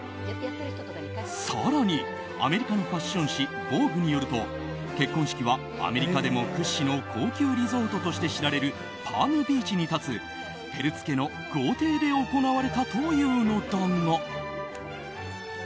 更に、アメリカのファッション誌「ＶＯＧＵＥ」によると結婚式はアメリカでも屈指の高級リゾートとして知られるパーム・ビーチに立つペルツ家の豪邸で行われたというのだが。